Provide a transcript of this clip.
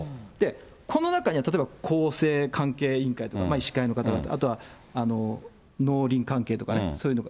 この中には例えば厚生関係委員会とか医師会の方々、あとは農林関係とかね、そういうのが。